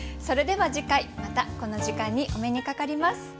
それでは次回またこの時間にお目にかかります。